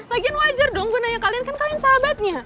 lagian wajar dong gue nanya kalian kan kalian sahabatnya